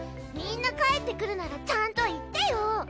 みんな帰ってくるならちゃんと言ってよ！